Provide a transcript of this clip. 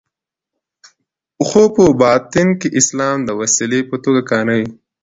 خو په باطن کې اسلام د وسیلې په توګه کاروي.